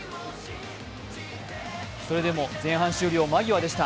それでも前半終了間際でした。